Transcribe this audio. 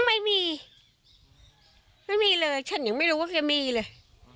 ไม่มีไม่มีเลยฉันยังไม่รู้ว่าแกมีเลย